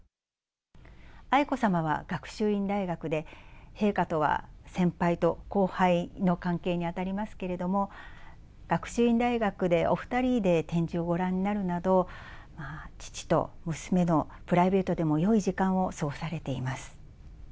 愛子さまは、学習院大学で、陛下とは先輩と後輩の関係に当たりますけれども、学習院大学で、お２人で展示をご覧になるなど、父と娘のプライベートでもよい時間を過ごされています。